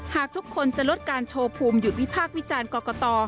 หากทุกคนจะลดการโชว์ภูมิหยุดวิพากษ์วิจารณ์กรกต